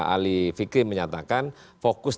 ali fikri menyatakan fokus